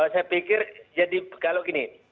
saya pikir jadi kalau gini